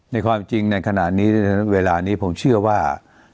ในความจริงในขณะนี้เวลานี้ผมเชื่อว่า